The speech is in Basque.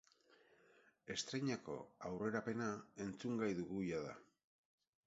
Estreinako aurrerapena entzungai dugu jada!